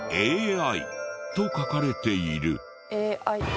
ＡＩと書かれている。